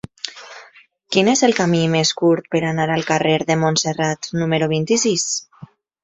Quin és el camí més curt per anar al carrer de Montserrat número vint-i-sis?